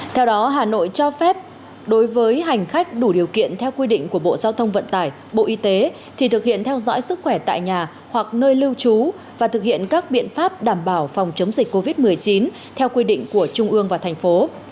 theo đó hà nội cho phép đối với hành khách đủ điều kiện theo quy định của bộ giao thông vận tải bộ y tế thì thực hiện theo dõi sức khỏe tại nhà hoặc nơi lưu trú và thực hiện các biện pháp đảm bảo phòng chống dịch covid một mươi chín theo quy định của trung ương và thành phố